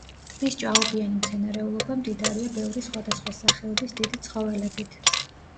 ტბის ჭაობიანი მცენარეულობა მდიდარია ბევრი სხვადასხვა სახეობის დიდი ცხოველებით.